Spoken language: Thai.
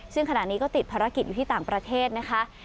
ซึ่งขณะนี้ก็ติดภารกิจอยู่ที่ต่างประเทศนะคะ